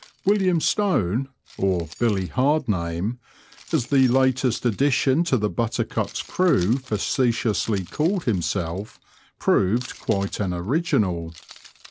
Wilham Stone, or Billy Hardname, as the latest addition to the Buttercup's crew facetiously called himself, proved quite an original.